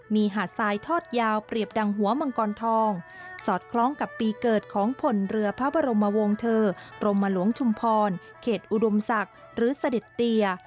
มีหาดทรายทอดยาวเปรียบดังหัวมังกรทองสอดคล้องกับปีเกิดของผลเรือพระบรมวงเทอร์กรมหลวงชุมพรเขตอุดมศักดิ์หรือเสด็จเตีย